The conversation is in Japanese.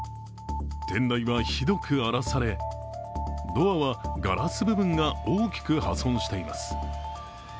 店内はひどく荒らされ、ドアはガラス部分が大きく破損しています。